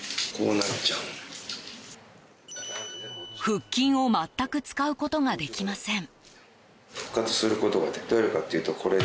腹筋を全く使うことができません。